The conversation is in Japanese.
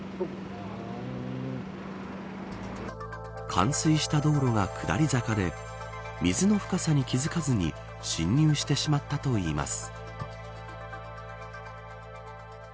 冠水した道路が下り坂で水の深さに気付かずに進入してしまったといいます。